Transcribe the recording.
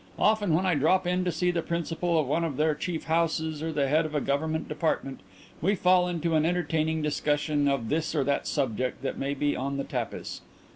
Often when I drop in to see the principal of one of their chief houses or the head of a Government department, we fall into an entertaining discussion of this or that subject that may be on the tapis.